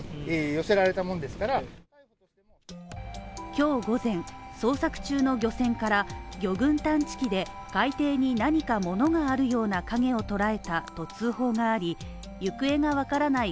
今日午前、捜索中の漁船から魚群探知機で海底に何かものがあるような影を捉えたと通報があり行方が分からない